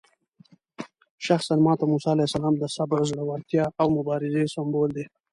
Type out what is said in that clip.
شخصاً ماته موسی علیه السلام د صبر، زړورتیا او مبارزې سمبول دی.